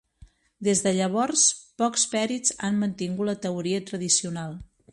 Des de llavors pocs pèrits han mantingut la teoria tradicional.